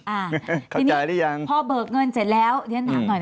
อ่าเข้าใจได้ยังพอเบิกเงินเสร็จแล้วที่นั้นถามหน่อย